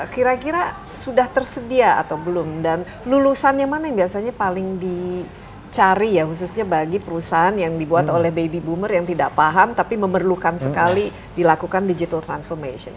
kira kira sudah tersedia atau belum dan lulusan yang mana yang biasanya paling dicari ya khususnya bagi perusahaan yang dibuat oleh baby boomer yang tidak paham tapi memerlukan sekali dilakukan digital transformation